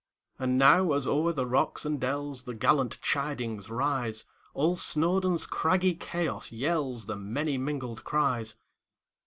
And now, as o'er the rocks and dellsThe gallant chidings rise, All Snowdon's craggy chaos yellsThe many mingled cries!